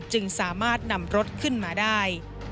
จึงสามารถนำรถขึ้นมาได้